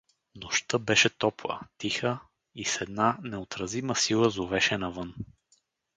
Нощта беше топла, тиха и с една неотразима сила зовеше навън.